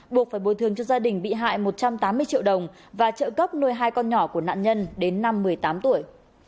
buộc phải bồi thường cho gia đình bị hại một trăm tám mươi triệu đồng và trợ cấp nuôi hai con nhỏ của nạn nhân đến năm một mươi tám tuổi